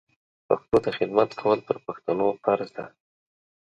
پښتو ته خدمت کول پر پښتنو فرض ده